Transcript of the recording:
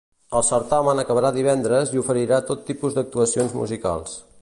El certamen acabarà divendres i oferirà tot tipus d'actuacions musicals.